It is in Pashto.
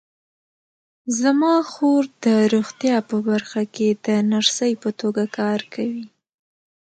زما خور د روغتیا په برخه کې د نرسۍ په توګه کار کوي